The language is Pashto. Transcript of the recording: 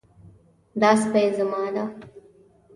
دا سپی زما ده